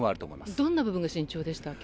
どんな部分が慎重でした？